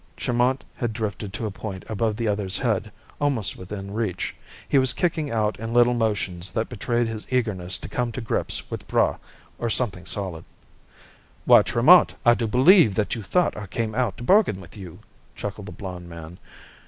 Tremont had drifted to a point above the other's head, almost within reach. He was kicking out in little motions that betrayed his eagerness to come to grips with Braigh or something solid. "Why, Tremont! I do believe that you thought I came out to bargain with you," chuckled the blond man.